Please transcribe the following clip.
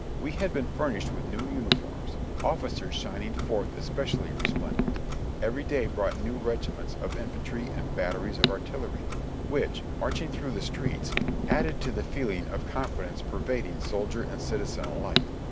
We had been furnished with new uniforms, officers shining forth es pecially resplendent; every day brought new regiments of in fantry and batteries of artillery, which, marching through the streets, added to the feeling of confidence pervading soldier and citizen alike.